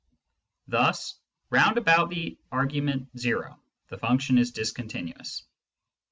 Thiis round about the argument o the function is discontinuous.